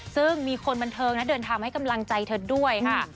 ซึ่งมีคนบันเทิงนะเดินทางให้กำลังใจเธอด้วยค่ะ